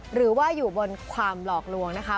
หรือว่าอยู่บนความหลอกลวงนะคะ